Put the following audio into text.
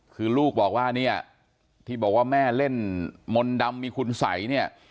คือลูกบอกว่าเนี่ยที่บอกว่าแม่เล่นมนต์ดำมีคุณสัยเนี่ย